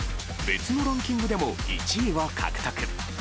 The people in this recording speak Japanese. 別のランキングでも１位を獲得。